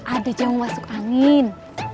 ada jamu masuk angin